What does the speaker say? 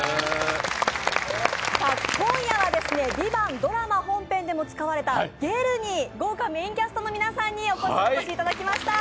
今夜は「ＶＩＶＡＮＴ」ドラマ本編でも使われたゲルに豪華メインキャストの皆さんにお越しいただきました。